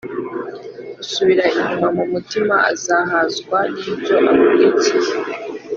usubira inyuma mu mutima azahazwa n’ibyo akurikiye,